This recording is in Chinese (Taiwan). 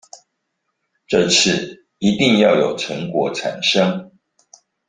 這次一定要有成果產生